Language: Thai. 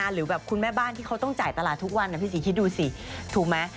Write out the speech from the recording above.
เฮ้ยมันไปอยู่ตรงไหนมันไม่อยู่ในข้อนิ้วเรา